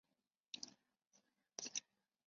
陈尧咨人。